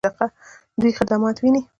دوی خدمات ویني؟